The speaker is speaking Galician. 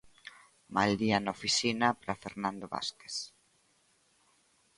Mal día na oficina para Fernando Vázquez.